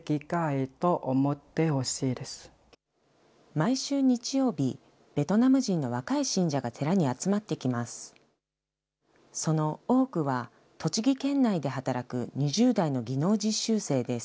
毎週日曜日、ベトナム人の若い信者が寺に集まってきます。